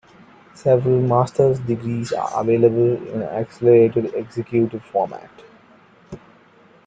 Several master's degrees are available in an accelerated Executive format.